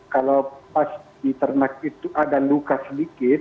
kalau pas di ternak itu ada luka sedikit